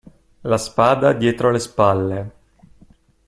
La spada dietro le spalle.